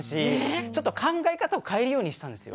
ちょっと考え方を変えるようにしたんですよ。